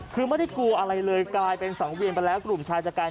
คือไม่ได้กลัวอะไรเลยกลายเป็นสังเวียนไปแล้วกลุ่มชายจัดการ